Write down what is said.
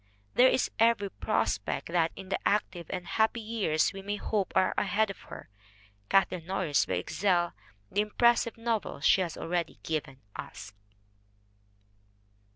There is every prospect that in the active and happy years we may hope are ahead of her, Kathleen Norris will excel the impressive novels she has already given us.